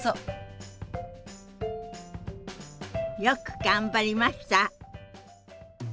よく頑張りました！